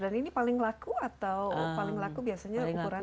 dan ini paling laku atau paling laku biasanya ukuran berapa